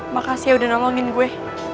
makasih ya udah ngomongin gue